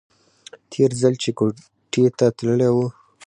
تېر ځل چې کوټې ته تللى و.